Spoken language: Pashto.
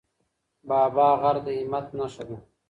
بابا غر د همت نښه ده.